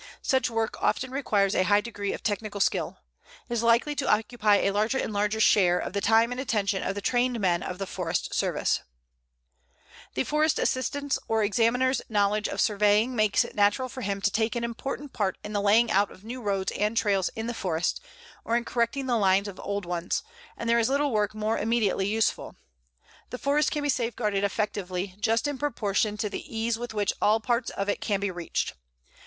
Such work often requires a high degree of technical skill. It is likely to occupy a larger and larger share of the time and attention of the trained men of the Forest Service. [Illustration: A FOREST EXAMINER RUNNING A COMPASS LINE] The Forest Assistant's or Examiner's knowledge of surveying makes it natural for him to take an important part in the laying out of new roads and trails in the forest, or in correcting the lines of old ones, and there is little work more immediately useful. The forest can be safeguarded effectively just in proportion to the ease with which all parts of it can be reached.